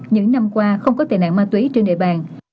những năm qua không có tệ nạn ma túy trên địa bàn